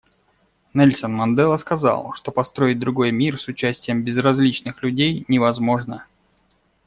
Нельсон Мандела сказал, что построить другой мир с участием безразличных людей невозможно.